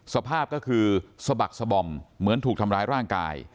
สภาพก็คือสะบักสบอมเหมือนถูกทำร้ายร่างกาย